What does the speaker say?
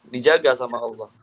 dijaga sama allah